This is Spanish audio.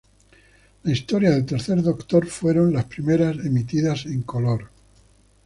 Las historias del Tercer Doctor fueron las primeras emitidas en color.